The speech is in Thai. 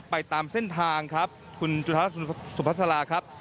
ไปตามเส้นทางครับคุณจุธาสุภาษาลาครับ